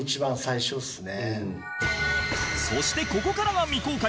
そしてここからは未公開